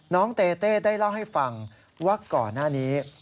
เตเต้ได้เล่าให้ฟังว่าก่อนหน้านี้